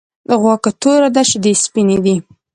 غوا که توره ده شيدې یی سپيني دی .